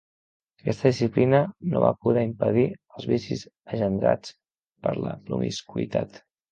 Aquesta disciplina no va poder impedir els vicis engendrats per la promiscuïtat.